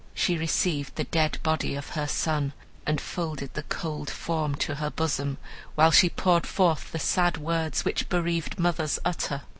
She received the dead body of her son, and folded the cold form to her bosom, while she poured forth the sad words which bereaved mothers utter.